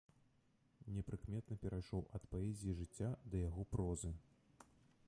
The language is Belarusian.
Непрыкметна перайшоў ад паэзіі жыцця да яго прозы.